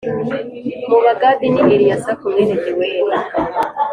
mu Bagadi ni Eliyasafu mwene Deweli